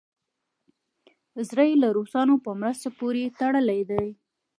زړه یې د روسانو په مرستو پورې تړلی دی.